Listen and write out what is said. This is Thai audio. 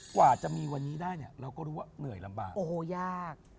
กว่าจะมีวันนี้ได้เนี่ยเราก็รู้ว่าเหนื่อยลำบากโอ้โหยาก